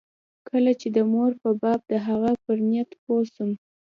کله چې د مور په باب د هغه پر نيت پوه سوم.